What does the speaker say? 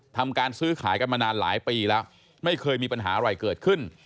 ทำการซื้อขายกันมานานหลายปีแล้วไม่เคยมีปัญหาอะไรเกิดขึ้น